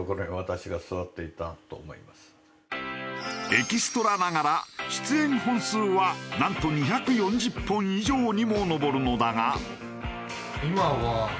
エキストラながら出演本数はなんと２４０本以上にも上るのだが。